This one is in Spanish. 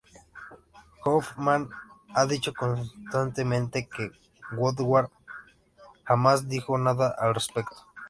Hoffman ha dicho constantemente que Woodward jamás dijo nada al respecto.